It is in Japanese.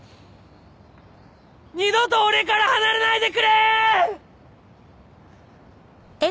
二度と俺から離れないでくれ！